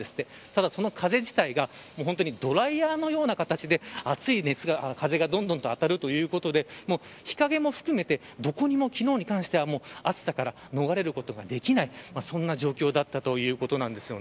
ただ、その風自体がドライヤーのような形で熱い風がどんどん当たるということで日陰も含めてどこにも、昨日に関しては暑さから逃れることができない状況だったということなんです。